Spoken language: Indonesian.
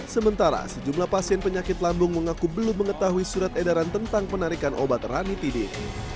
sementara sejumlah pasien penyakit lambung mengaku belum mengetahui surat edaran tentang penarikan obat ranitidin